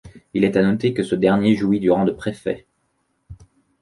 Il est à noter que ce dernier jouit du rang de préfet.